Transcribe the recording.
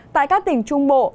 tại các tỉnh trung bộ